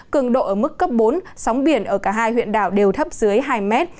cường độ ở mức cấp bốn sóng biển ở cả hai huyện đảo đều thấp dưới hai mét